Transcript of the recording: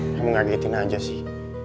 kamu ngagetin aja sih